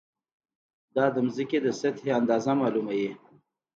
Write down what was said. دا د ځمکې د سطحې اندازه معلوموي.